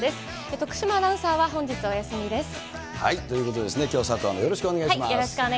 徳島アナウンサーは、本日、お休みです。ということで、きょうは佐藤よろしくお願いします。